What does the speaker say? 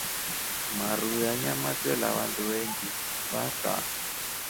Maruu ya nyama twela wandu vengi va kaa.